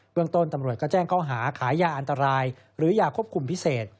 เมืองต้นตำรวจก็แจ้งข้อหาขายยาอันตรายหรือยาควบคุมพิเศษ